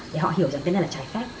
để họ hiểu rằng cái này là trái phép